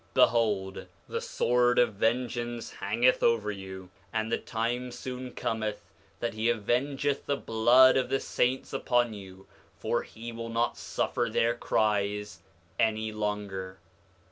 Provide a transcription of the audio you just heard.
8:41 Behold, the sword of vengeance hangeth over you; and the time soon cometh that he avengeth the blood of the saints upon you, for he will not suffer their cries any longer.